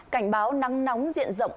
cảnh báo nắng nóng diện rộng